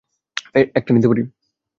একটা নিতে পারি?